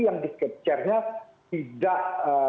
yang di capture nya tidak